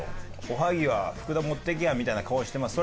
おはぎは福田持っていきゃみたいな顔をしてます。